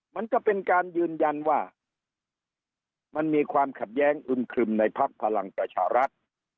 มันก็เป็นการยืนยันว่ามันมีความขัดแย้งอึมครึมในพักพลังประชารัฐ